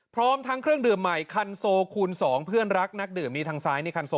พร้อมทั้งเครื่องดื่มใหม่คันโซคูณ๒เพื่อนรักนักดื่มนี่ทางซ้ายนี่คันโซ